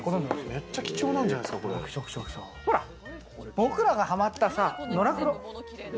僕らがはまったのらくろ。